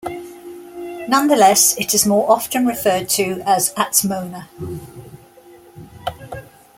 Nonetheless, it is more often referred to as Atzmona.